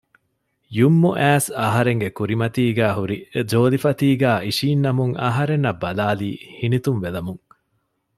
ޔުމްނު އައިސް އަހަރެންގެ ކުރިމަތީގައި ހުރި ޖޯލިފަތީގައި އިށީންނަމުން އަހަރެންނަށް ބަލާލީ ހިނިތުންވެލަމުން